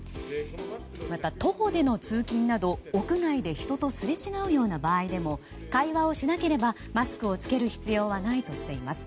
また、徒歩での通勤など屋外で人とすれ違うような場合でも会話をしなければマスクを着ける必要はないとしています。